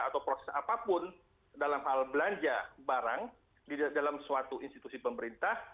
atau proses apapun dalam hal belanja barang di dalam suatu institusi pemerintah